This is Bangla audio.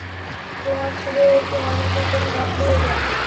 তোমার ছেলেও তোমার মতো করে নষ্ট হয়ে যাবে।